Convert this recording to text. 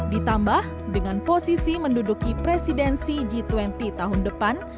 ditambah dengan posisi menduduki presidensi g dua puluh tahun depan